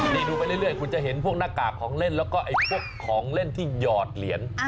นี่ดูไปเรื่อยคุณจะเห็นพวกหน้ากากของเล่นแล้วก็ไอ้พวกของเล่นที่หยอดเหรียญ